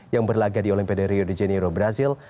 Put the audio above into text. yang berlagak di olimpiade rio de janeiro brazil